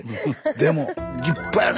でも立派やね